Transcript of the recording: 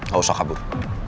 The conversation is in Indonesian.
gak usah kabur